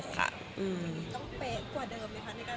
ต้องเป็นกว่าเดิมไหมคะในการแบบลองชุดให้มันครบซะก่อน